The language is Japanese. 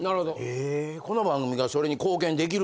へえ、この番組がそれに貢献できる？